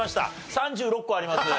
３６個ありますね。